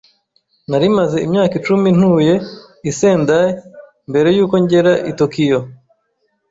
Nari maze imyaka icumi ntuye i Sendai mbere yuko ngera i Tokiyo.